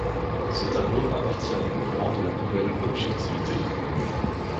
Ce tableau appartient au mouvement de la Nouvelle Objectivité.